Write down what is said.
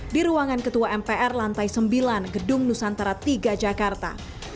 di ruangan ketua mpr lantai sembilan gedung nusantara tiga jakarta